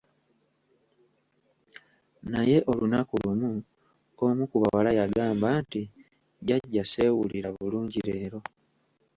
Naye olunaku lumu, omu ku bawala yagamba nti, jjaja, sewulila bulungi leero.